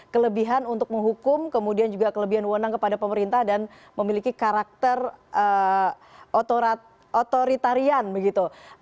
kelebihan untuk menghukum kemudian juga kelebihan wonang kepada pemerintah dan memiliki karakter otoritarian begitu